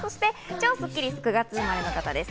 超スッキりすは９月生まれの方です。